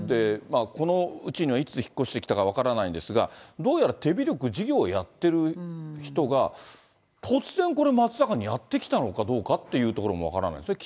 このうちにいつ引っ越してきたか分からないんですが、どうやら手広く事業をやっている人が、突然これ、松阪にやって来たのかどうかというところも分からないですね。